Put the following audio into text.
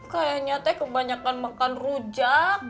kayaknya teh kebanyakan makan rujak